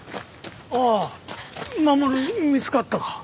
ああ守見つかったか？